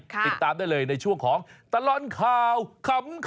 ติดตามได้เลยในช่วงของตลอดข่าวขำ